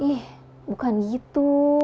ih bukan gitu